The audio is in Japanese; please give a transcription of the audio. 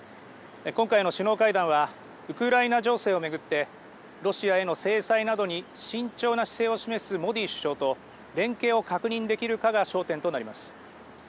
今回の首脳会談はウクライナ情勢を巡ってロシアへの制裁などに慎重な姿勢を示すモディ首相と連携を確認できるかが焦点となります。